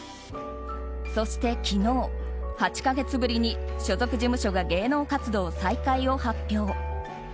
そして、昨日８か月ぶりに所属事務所が芸能活動再開を発表。